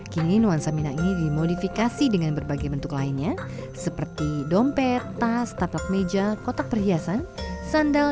kini nuansa minang ini dimodifikasi dengan berbagai bentuk lainnya seperti dompet tas tapak meja kotak perhiasan sandal